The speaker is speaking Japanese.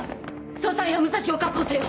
捜査員は武蔵を確保せよ！